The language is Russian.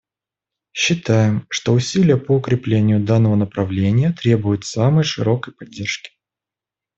Считаем, что усилия по укреплению данного направления требуют самой широкой поддержки.